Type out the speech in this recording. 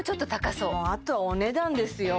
もうあとはお値段ですよ